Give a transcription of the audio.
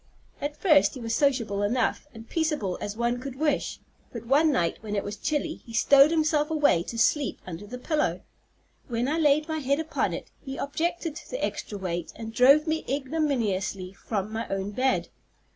At first he was sociable enough, and peaceable as one could wish; but one night, when it was chilly, he stowed himself away to sleep under the pillow. When I laid my head upon it, he objected to the extra weight, and drove me ignominiously from my own bed.